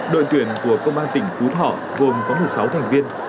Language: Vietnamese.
đội tuyển của công an tỉnh phú thọ gồm có một mươi sáu thành viên